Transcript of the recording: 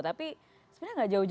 tapi sebenarnya gak jauh jauh banget ya